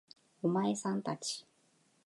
お前さん達